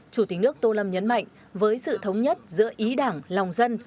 chủ tịch nước tô lâm nhấn mạnh với sự thống nhất giữa ý đảng lòng dân